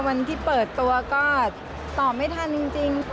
วันที่เปิดตัวก็ตอบไม่ทันจริง